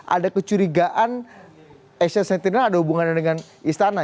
ada kecurigaan asia sentinel ada hubungannya dengan istana